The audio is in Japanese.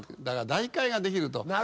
だから代替ができると。